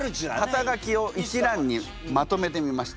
肩書を一覧にまとめてみました。